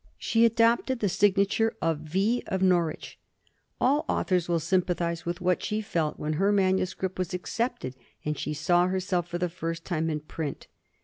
She adopted the signature of "V. of Norwich"; all authors will sympathise with what she felt when her manuscript was accepted, and she saw herself for the first time in print.